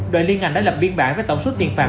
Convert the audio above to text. đoạn liên ngành đã lập biên bản với tổng suất tiền phạt